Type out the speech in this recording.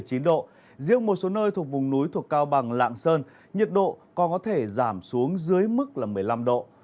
riêng một số nơi thuộc vùng núi thuộc cao bằng lạng sơn nhiệt độ còn có thể giảm xuống dưới mức là một mươi năm độ